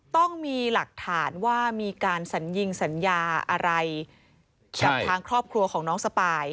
ต้องมีหลักฐานว่ามีการสัญญิงสัญญาอะไรกับทางครอบครัวของน้องสปาย